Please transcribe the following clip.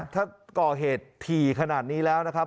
ถ้าก่อเหตุถี่ขนาดนี้แล้วนะครับ